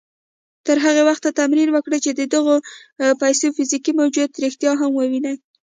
تر هغه وخته تمرين وکړئ چې د دغو پيسو فزيکي موجوديت رښتيا هم ووينئ.